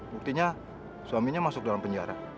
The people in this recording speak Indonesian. buktinya suaminya masuk dalam penjara